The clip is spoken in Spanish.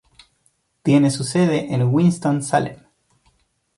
Tiene su sede en Winston-Salem.